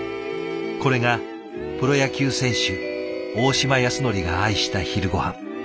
これがプロ野球選手大島康徳が愛した昼ごはん。